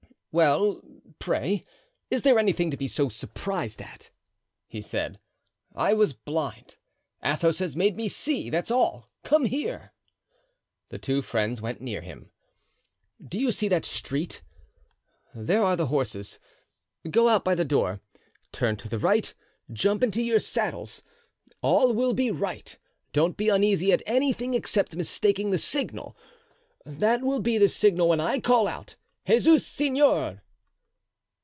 "Well, pray, is there anything to be so surprised at?" he said. "I was blind; Athos has made me see, that's all; come here." The two friends went near him. "Do you see that street? There are the horses. Go out by the door, turn to the right, jump into your saddles, all will be right; don't be uneasy at anything except mistaking the signal. That will be the signal when I call out—Jesus Seigneur!"